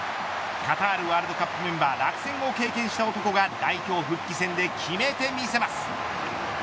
カタールワールドカップメンバー落選を経験した男が代表復帰戦で決めてみせます。